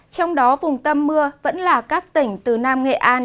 trong đó vùng tâm mưa vẫn là các tỉnh từ nam nghệ an